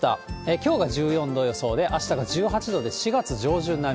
きょうが１４度予想で、あしたが１８度で４月上旬並み。